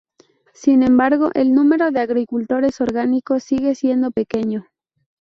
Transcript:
Sin embargo, el número de agricultores orgánicos sigue siendo pequeño.